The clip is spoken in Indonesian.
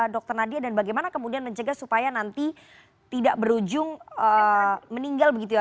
dr nadia dan bagaimana kemudian mencegah supaya nanti tidak berujung meninggal begitu ya